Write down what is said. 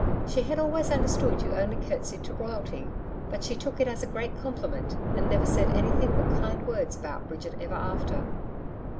She had always understood you only curtsied to Royalty. But she took it as a great compliment and never said anything but kind words about Bridget ever after.